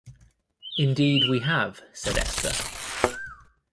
“Indeed we have,” said Esther.